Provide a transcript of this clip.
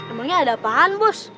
emangnya ada apaan bos